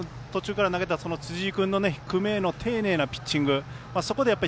途中から投げた辻井君の低めへの丁寧なピッチング。